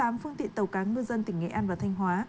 tám phương tiện tàu cá ngư dân tỉnh nghệ an và thanh hóa